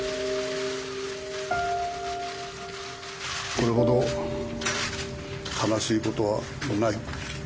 これほど悲しいことはない。